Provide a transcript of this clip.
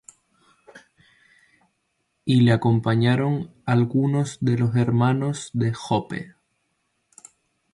y le acompañaron algunos de los hermanos de Joppe.